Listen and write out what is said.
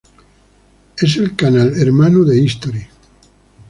Es el canal hermano de History.